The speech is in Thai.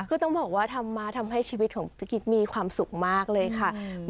คือต้องบอกว่าธรรมะทำให้ชีวิตของพี่กิ๊กมีความสุขมากเลยค่ะ